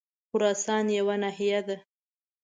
خراسان یوه ناحیه ده.